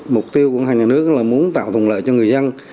mục tiêu của ngân hàng nhà nước là muốn tạo thuận lợi cho người dân